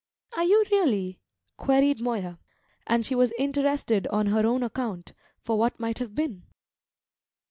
"Are you really?" queried Moya, and she was interested on her own account, for what might have been.